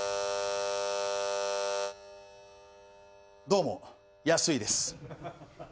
どうも安井です。